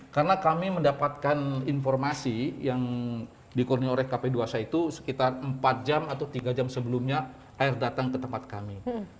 karena kami mendapatkan informasi yang dikurni oleh kp dua c itu sekitar empat jam atau tiga jam sebelumnya air datang ke tempat kami